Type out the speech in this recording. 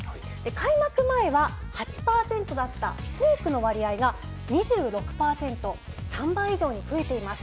開幕前は８％だったフォークの割合が２６％３倍以上に増えています。